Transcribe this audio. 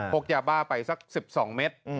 กยาบ้าไปสัก๑๒เมตร